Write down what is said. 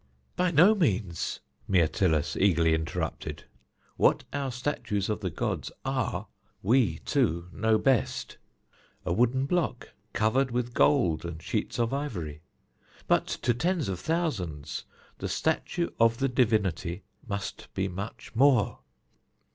"By no means," Myrtilus eagerly interrupted. "What our statues of the gods are we two know best: a wooden block, covered with gold and sheets of ivory. But to tens of thousands the statue of the divinity must be much more.